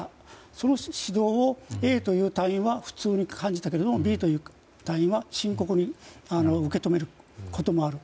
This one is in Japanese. その指導をＡという隊員は普通に感じたけれどもＢという隊員は深刻に受け止めることもある。